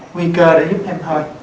nguy cơ để giúp em thôi